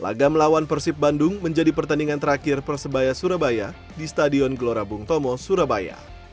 laga melawan persib bandung menjadi pertandingan terakhir persebaya surabaya di stadion gelora bung tomo surabaya